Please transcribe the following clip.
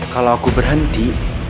kalau aku berhenti